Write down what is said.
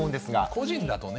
個人だとね。